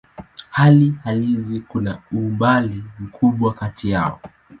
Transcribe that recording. Hali halisi kuna umbali mkubwa kati yao.